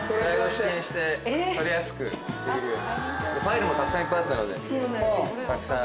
ファイルもたくさんいっぱいあったのでたくさん。